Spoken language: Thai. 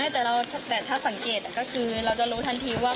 แต่ถ้าสังเกตก็คือเราจะรู้ทันทีว่า